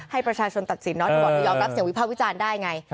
ให้ประชาชนตัดสินเนาะเธอบอกเธอยอมรับเสียงวิภาควิจารณ์ได้ไง